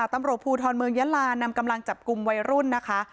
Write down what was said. ตำรวจภูทรเมืองยะลานำกำลังจับกลุ่มวัยรุ่นนะคะ